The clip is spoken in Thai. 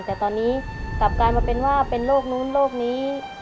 แต่ตอนนี้กลับกลายมาเป็นว่าเป็นโรคนู้นโรคนี้